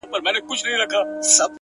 • زه به بیا راځمه ,